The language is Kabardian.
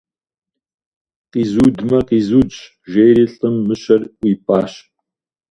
- Къизудмэ, къизудщ, - жери лӀым мыщэр ӀуипӀащ.